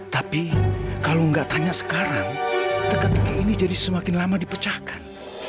tapi kalau gak tanya sekarang tegak tegak ini jadi semakin lama dipecahkan